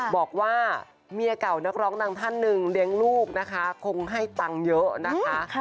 บอกว่าเมียเก่านักร้องนางท่านหนึ่งเลี้ยงลูกนะคะคงให้ตังค์เยอะนะคะ